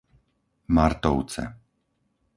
Martovce